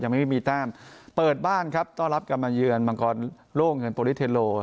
ไม่มีแต้มเปิดบ้านครับต้อนรับกรรมเยือนมังกรโล่เงินโปรลิเทโล